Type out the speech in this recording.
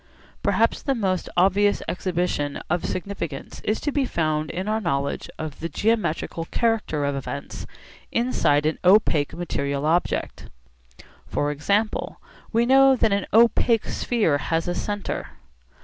Perhaps the most obvious exhibition of significance is to be found in our knowledge of the geometrical character of events inside an opaque material object. For example we know that an opaque sphere has a centre.